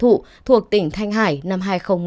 học thụ thuộc tỉnh thanh hải năm hai nghìn một mươi